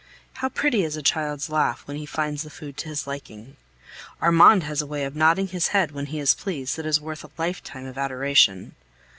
How pretty is a child's laugh when he finds the food to his liking! Armand has a way of nodding his head when he is pleased that is worth a lifetime of adoration.